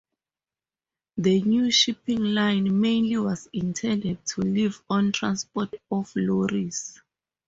The new shipping line mainly was intended to live on transport of lorries.